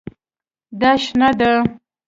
دا شنه ده